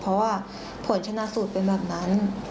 เพราะว่าผลชนะสูตรเป็นแบบนั้น